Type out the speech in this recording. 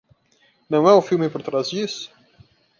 Não é o filme por trás disso?